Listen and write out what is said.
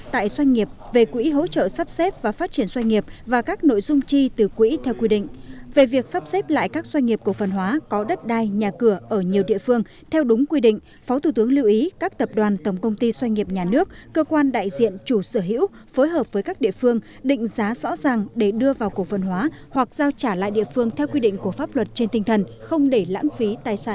tại doanh nghiệp về quỹ hỗ trợ sắp xếp và phát triển doanh nghiệp và các nội dung chi từ quỹ theo quy định về việc sắp xếp lại các doanh nghiệp cổ phần hóa có đất đai nhà cửa ở nhiều địa phương theo đúng quy định phó thủ tướng lưu ý các tập đoàn tổng công ty doanh nghiệp nhà nước cơ quan đại diện chủ sở hữu phối hợp với các địa phương định giá rõ ràng để đưa vào cổ phần hóa hoặc giao trả lại địa phương theo quy định của pháp luật trên tinh thần không để lãng phí tài sản